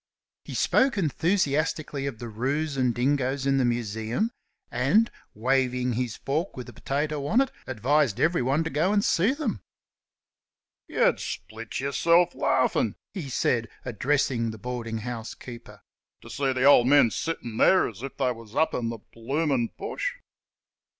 He spoke enthusiastically of the 'roos and dingoes in the Museum, and, waving his fork with a potato on it, advised everyone to go and see them. "Y'd split y'self laughin'," he said, addressing the boarding house keeper "t' see th' ol men sittin' there as if they was up in the bloomin' Bush."